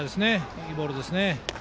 いいボールですね。